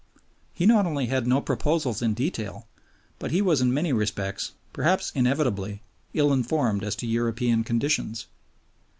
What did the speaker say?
He not only had no proposals in detail, but he was in many respects, perhaps inevitably, ill informed as to European conditions.